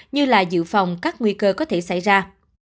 như là dự phòng các nguy cơ có thể xảy ra